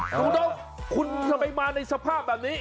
จุดกคุณทำไมมาในสภาพแบบนี้